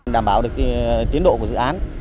đảm bảo được tiến độ của dự án